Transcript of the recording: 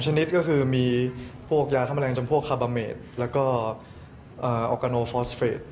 ชนิดก็คือมีพวกยาฆ่าแมลงจำพวกคาบาเมดแล้วก็ออกาโนฟอสเฟส